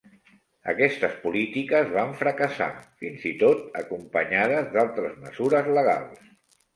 Aquestes polítiques van fracassar, fins i tot acompanyades d'altres mesures legals.